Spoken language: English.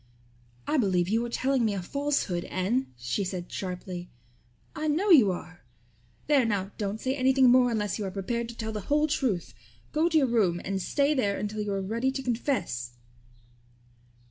"I believe you are telling me a falsehood, Anne," she said sharply. "I know you are. There now, don't say anything more unless you are prepared to tell the whole truth. Go to your room and stay there until you are ready to confess."